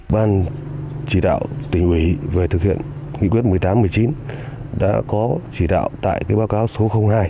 ban chỉ đạo tỉnh ủy về thực hiện nghị quyết một mươi tám một mươi chín đã có chỉ đạo tại báo cáo số hai